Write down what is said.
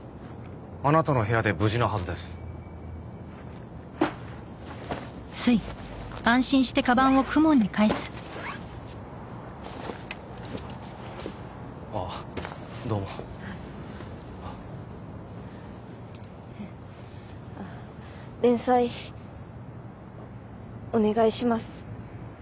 あなたの部屋で無事なはずですあっどうも連載お願いします